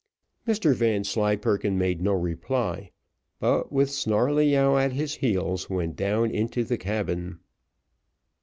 Mr Vanslyperken made no reply, but, with Snarleyyow at his heels, went down into the cabin.